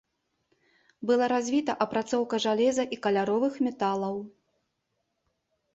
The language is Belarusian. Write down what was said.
Была развіта апрацоўка жалеза і каляровых металаў.